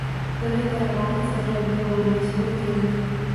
Гэтая раніца зрабіла ўвесь мой дзень.